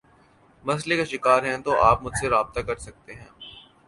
مسلئے کا شکار ہیں تو آپ مجھ سے رابطہ کر سکتے ہیں